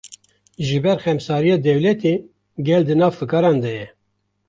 Ji ber xemsariya dewletê, gel di nav fikaran de ye